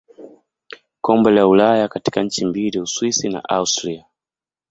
Kombe la Ulaya katika nchi mbili Uswisi na Austria.